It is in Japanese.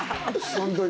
本当に。